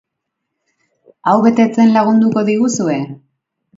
Hau betetzen lagunduko diguzue?